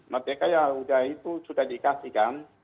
merdeka yang sudah itu sudah dikasihkan